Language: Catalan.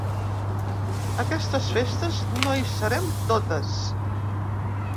Aquestes festes no hi serem totes.